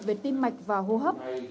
về tim mạch và hô hấp